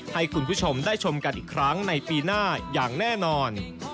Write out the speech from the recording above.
ให้คุณผู้ชมได้ชมกันอีกครั้งในปีหน้าอย่างแน่นอน